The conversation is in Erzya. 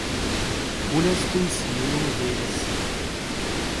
Кулясь тусь велень келес.